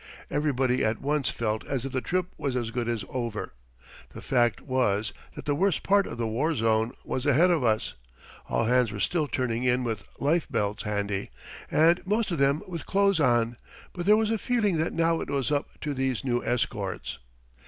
Everybody at once felt as if the trip was as good as over. The fact was that the worst part of the war zone was ahead of us. All hands were still turning in with life belts handy, and most of them with clothes on, but there was a feeling that now it was up to these new escorts.